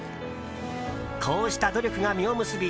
こうした努力が実を結び